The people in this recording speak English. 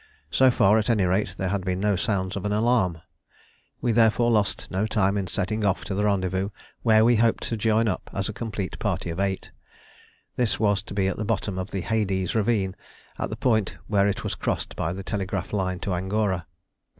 So far, at any rate, there had been no sounds of an alarm. We therefore lost no time in setting off to the rendezvous, where we hoped to join up as a complete party of eight. This was to be at the bottom of the "Hades" ravine, at the point where it was crossed by the telegraph line to Angora.